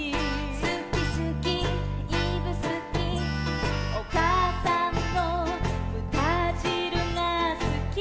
「すきすきいぶすき」「お母さんのぶたじるがすき」